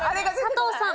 佐藤さん。